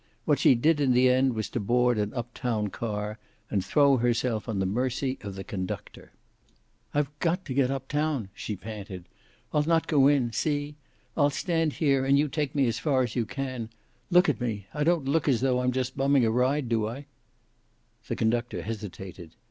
What she did, in the end, was to board an up town car and throw herself on the mercy of the conductor. "I've got to get up town," she panted. "I'll not go in. See? I'll stand here and you take me as far as you can. Look at me! I don't look as though I'm just bumming a ride, do I?" The conductor hesitated.